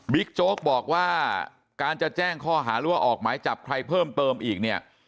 โจ๊กบอกว่าการจะแจ้งข้อหาหรือว่าออกหมายจับใครเพิ่มเติมอีกเนี่ย